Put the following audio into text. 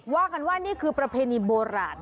ว่ากันว่านี่คือประเพณีโบราณ